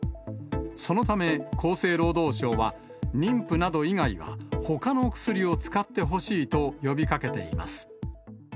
そのため、厚生労働省は、妊婦など以外は、ほかの薬を使ってほしいと呼びかけています。